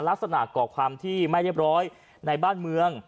ลักษณะก่อความที่ไม่เรียบร้อยในบ้านเมือง